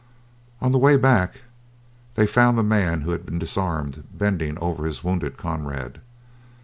On the way back, they found the man who had been disarmed bending over his wounded comrade.